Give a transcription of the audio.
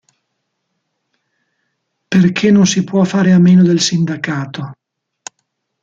Perché non si può fare a meno del sindacato".